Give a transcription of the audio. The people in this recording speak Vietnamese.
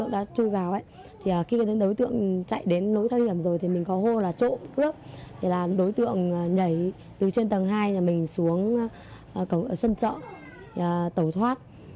đối tượng chạy đến nỗi thất hiểm rồi thì mình có hô là trộm cướp đối tượng nhảy từ trên tầng hai nhà mình xuống sân chợ tẩu thoát